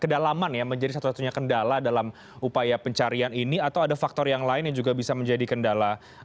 kedalaman ya menjadi satu satunya kendala dalam upaya pencarian ini atau ada faktor yang lain yang juga bisa menjadi kendala